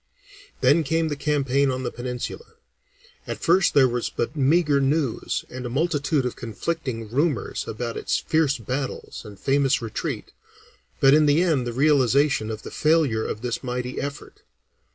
Then came the campaign on the Peninsula. At first there was but meagre news and a multitude of conflicting rumors about its fierce battles and famous retreat, but in the end the realization of the failure of this mighty effort.